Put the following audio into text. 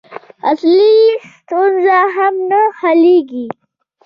اصلي ستونزه هم نه حلېږي.